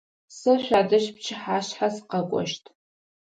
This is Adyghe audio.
Сэ шъуадэжь пчыхьашъхьэ сыкъэкӏощт.